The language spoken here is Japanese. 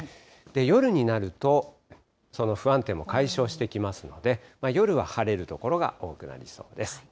夜になると、その不安定も解消してきますので、夜は晴れる所が多くなりそうです。